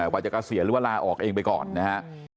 ก็จะเสียเวลาออกเองไปก่อนนะฮะ